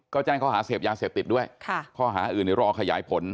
ก็แจ้งเขาหาเสพยาเสพติดด้วยข้อหาอื่นรอขยายผล